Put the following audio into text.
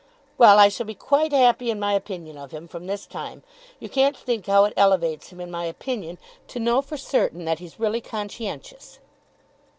Well, I shall be quite happy in my opinion of him, from this time. You can't think how it elevates him in my opinion, to know for certain that he's really conscientious!